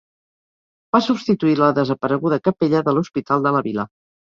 Va substituir la desapareguda capella de l'Hospital de la vila.